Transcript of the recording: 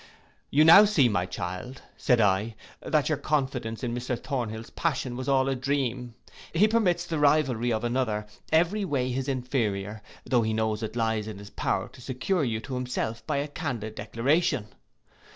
—'You now see, my child,' said I, 'that your confidence in Mr Thornhill's passion was all a dream: he permits the rivalry of another, every way his inferior, though he knows it lies in his power to secure you to himself by a candid declaration.